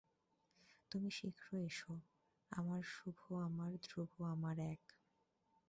তুমি শীঘ্র এসো, আমার শুভ, আমার ধ্রুব, আমার এক।